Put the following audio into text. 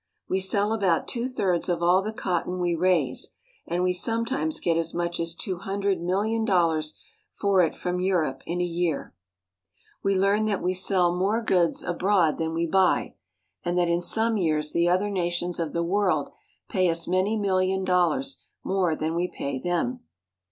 We sell about two thirds of all the cotton we raise, and we sometimes get as much as two hundred million dollars for it from Europe in a year. We learn that we sell more OCEAN GREYHOUNDS. 71 goods abroad than we buy, and that In some years the other nations of the world pay us many milHon dollars more than we pay them.